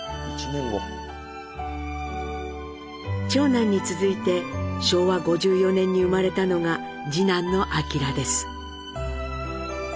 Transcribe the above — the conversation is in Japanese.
長男に続いて昭和５４年に生まれたのが次男の明です。